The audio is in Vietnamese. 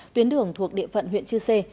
tuyến đường thuộc địa phận huyện chư sê